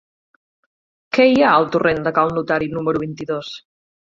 Què hi ha al torrent de Cal Notari número vint-i-dos?